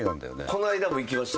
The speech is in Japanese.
この間も行きました。